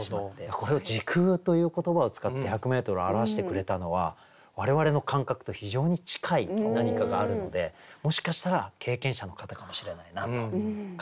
これを「時空」という言葉を使って１００メートルを表してくれたのは我々の感覚と非常に近い何かがあるのでもしかしたら経験者の方かもしれないなと感じますよね。